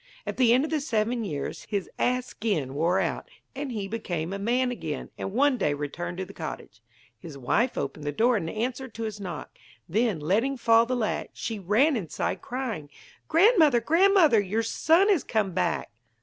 At the end of the seven years his ass skin wore out, and he became a man again, and one day returned to the cottage. His wife opened the door in answer to his knock; then, letting fall the latch, she ran inside, crying: 'Grandmother! grandmother! your son has come back!'